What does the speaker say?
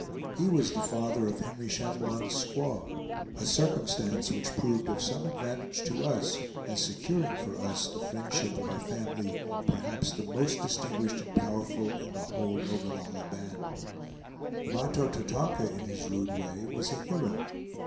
He was the father of Henry Chatillon's squaw, a circumstance which proved of some advantage to us, as securing for us the friendship of a family perhaps the most distinguished and powerful in the whole Ogallalla band. Mahto Tatonka, in his rude way, was a hero.